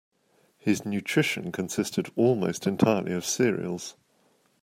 His nutrition consisted almost entirely of cereals.